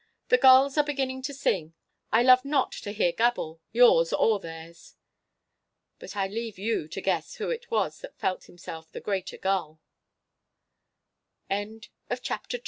The gulls are beginning to sing. I love not to hear gabble—yours or theirs!' But I leave you to guess who it was that felt himself the g